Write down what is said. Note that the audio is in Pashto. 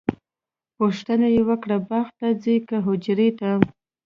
پوښتنه یې وکړه باغ ته ځئ که حجرې ته؟